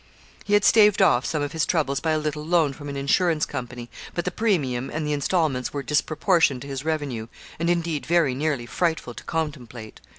He had staved off some of his troubles by a little loan from an insurance company, but the premium and the instalments were disproportioned to his revenue, and indeed very nearly frightful to contemplate.